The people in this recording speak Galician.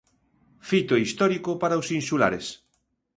Fito histórico para os insulares.